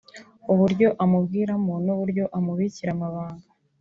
uburyo amubwiramo n’uburyo amubikira amabanga